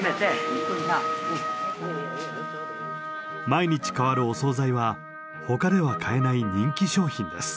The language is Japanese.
毎日替わるお総菜はほかでは買えない人気商品です。